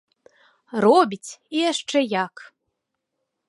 Робіць, і яшчэ як!